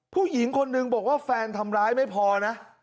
ผู้หญิงคนนึงบอกว่าแฟนทำร้ายไม่พอนะ